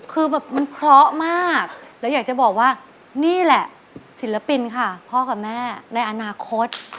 คือแบบมันเพราะมากแล้วอยากจะบอกว่านี่แหละศิลปินค่ะพ่อกับแม่ในอนาคต